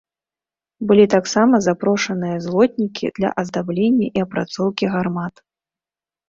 Былі таксама запрошаныя злотнікі для аздаблення і апрацоўкі гармат.